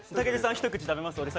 一口食べます？